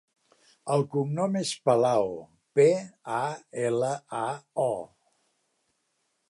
El cognom és Palao: pe, a, ela, a, o.